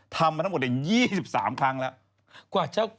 ทำมาทั้งหมด๒๓ครั้งแล้ว